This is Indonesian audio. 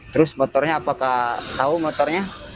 terus motornya apakah tahu motornya